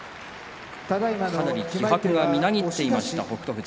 かなり気迫がみなぎっていた北勝富士。